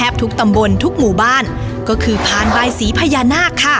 ทุกตำบลทุกหมู่บ้านก็คือพานบายสีพญานาคค่ะ